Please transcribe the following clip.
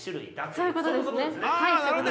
◆そういうことですね。